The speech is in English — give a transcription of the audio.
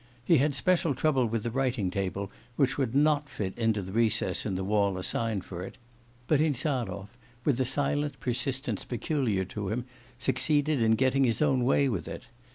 He had special trouble with the writing table, which would not fit into the recess in the wall assigned for it; but Insarov, with the silent persistence peculiar to him succeeded in getting his own way with it.